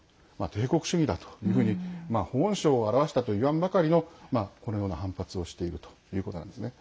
帝国主義だというふうに本性を現したといわんばかりのこのような反発をしているということなんですね。